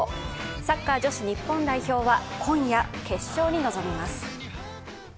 サッカー女子日本代表は今夜決勝に臨みます。